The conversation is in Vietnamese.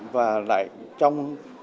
và lại trong